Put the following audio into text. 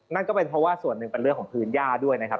นั่นก็เป็นเพราะว่าส่วนหนึ่งเป็นเรื่องของพื้นย่าด้วยนะครับ